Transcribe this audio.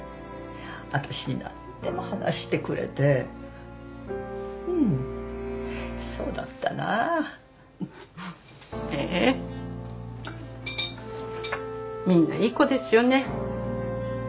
私になんでも話してくれてうんそうだったなへえーみんないい子ですよね